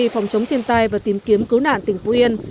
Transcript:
phòng chống thiên tai và tìm kiếm cứu nạn tỉnh phú yên